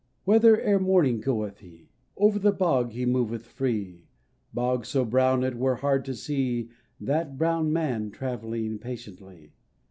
Whither ere morning goeth he ? Over the bog he moveth free ; Bog so brown it were hard to see That brown man travelling patiently.